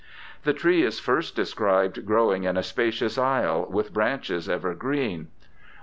The tree is first described, growing in a spacious isle, with branches ever green.